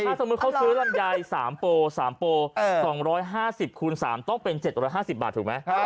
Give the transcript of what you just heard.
คือสมมุติเขาซื้อลำไย๓โป๓โป๒๕๐คูณ๓ต้องเป็น๗๕๐บาทถูกไหม